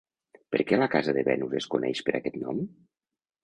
Per què la Casa de Venus es coneix per aquest nom?